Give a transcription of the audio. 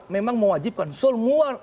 memang mewajibkan seluar